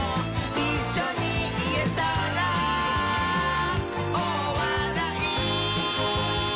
「いっしょにいえたら」「おおわらい」